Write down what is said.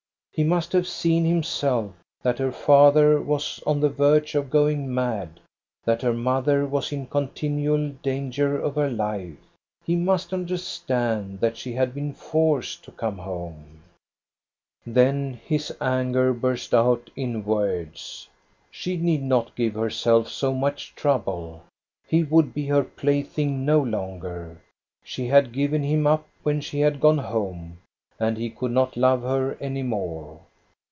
He must have seen, himself, that her father was on the THE AUCTION AT BJORNE 163 verge of going mad, that her mother was in contin ual danger of her life. He must understand that she had been forced to come home. Then his anger burst out in words. She need not give herself so much trouble. He would be her plaything no longer. She had given him up when she had gone home, and he could not love her any more.